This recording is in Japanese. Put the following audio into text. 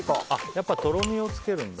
やっぱりとろみをつけるんだ。